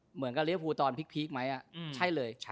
เหมือนกับเรียภูตอนพีคไหมใช่เลย